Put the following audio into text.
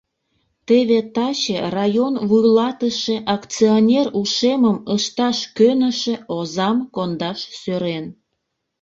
Теве таче район вуйлатыше акционер ушемым ышташ кӧнышӧ озам кондаш сӧрен.